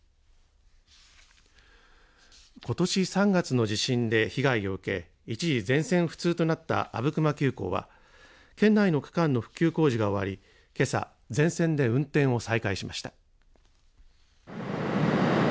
ことし３月の地震で被害を受け、一時、全線不通となった阿武隈急行は県内の区間の復旧工事が終わり、けさ全線で運転を再開しました。